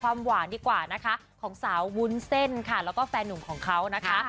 ความหวานดีกว่านะคะของสาววุ้นเส้นค่ะแล้วก็แฟนหนุ่มของเขานะคะ